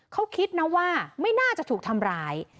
เขาคิดนะว่าไม่น่าจะถูกทำร้าย